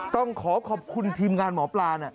ต้องขอขอบคุณทีมงานหมอปลานะ